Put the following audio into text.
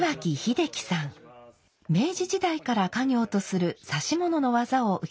明治時代から家業とする指物の技を受け継いでいます。